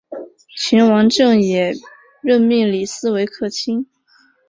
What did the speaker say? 秦王政也任命李斯为客卿。